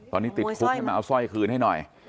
ตอนนี้ติดคุกให้มาเอาสร้อยคืนให้หน่อย